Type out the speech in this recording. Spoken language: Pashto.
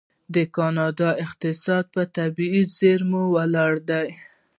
د کاناډا اقتصاد په طبیعي زیرمو ولاړ دی.